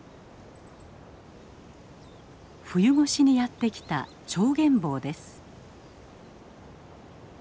冬越しにやって来たチョウゲンボウです。